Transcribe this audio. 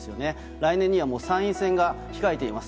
来年にはもう参院選が控えています。